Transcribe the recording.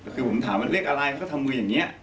คือผมถามว่าเลขอะไรเขาทำมืออย่างนี้